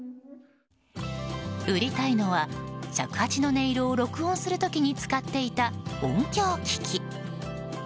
売りたいのは、尺八の音色を録音する時に使っていた音響機器。